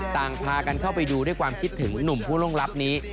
ต่างพากันเข้าไปดูด้วยความคิดถึงหนุ่มผู้ล่วงลับนี้